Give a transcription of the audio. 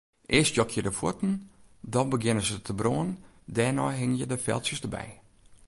Earst jokje de fuotten, dan begjinne se te brânen, dêrnei hingje de feltsjes derby.